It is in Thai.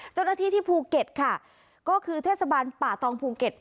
เจ้าหน้าที่ที่ภูเก็ตค่ะก็คือเทศบาลป่าตองภูเก็ต